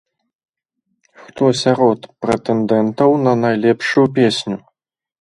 Хто сярод прэтэндэнтаў на найлепшую песню?